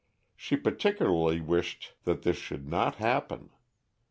She particularly wished that this should not happen.